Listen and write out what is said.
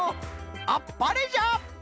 あっぱれじゃ！